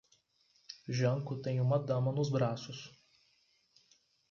Janko tem uma dama nos braços.